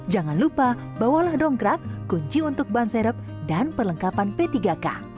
jangan lupa bawalah dongkrak kunci untuk ban serep dan perlengkapan p tiga k